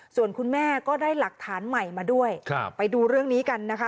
ส่วนคุณแม่ก็ได้หลักฐานใหม่มาด้วยไปดูเรื่องนี้กันนะคะ